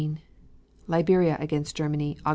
Liberia against Germany, Aug.